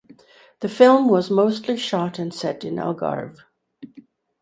The film was mostly shot and set in Algarve.